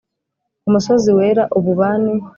ku musozi wera ububani.